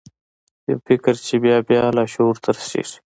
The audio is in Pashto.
یو فکر چې بیا بیا لاشعور ته رسیږي